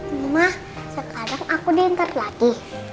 emma sekarang aku diantar lagi